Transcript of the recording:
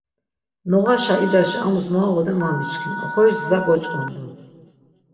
Noğaşa idaşi amus mu ağoden va miçkin, oxoriş gza goç̆kondun.